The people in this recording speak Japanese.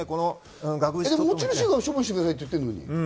持ち主が処分してくださいって言ってるのに？